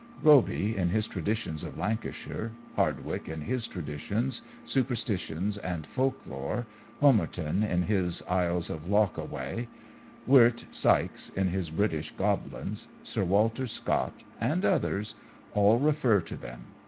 Roby, in his Traditions of Lancashire; Hardwick, in his Traditions, Superstitions, and Folk lore; Homerton, in his Isles of Loch Awe; Wirt Sykes, in his British Goblins; Sir Walter Scott, and others, all refer to them.